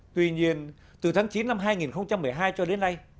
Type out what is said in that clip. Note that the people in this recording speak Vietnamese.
tuy nhiên từ tháng chín năm hai nghìn một mươi hai cho đến nay